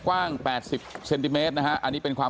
กว้าง๘๐เซนติเมตรนะฮะ